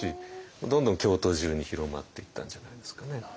どんどん京都中に広まっていったんじゃないですかね。